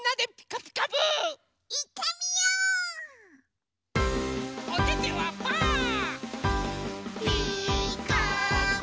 「ピーカーブ！」